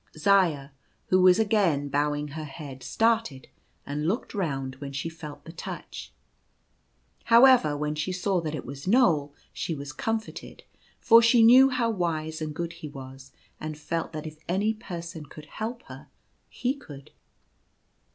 Zaya, who was again bowing her head, started and looked round when she felt the touch. However, when she saw that it was Knoal, she was comforted, for she knew how wise and good he was, and felt that if any person could help her, he could.